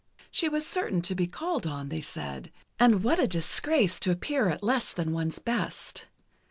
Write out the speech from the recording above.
She was certain to be called on, they said, and what a disgrace to appear at less than one's best.